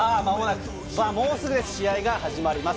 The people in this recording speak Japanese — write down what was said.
もうすぐ試合が始まります。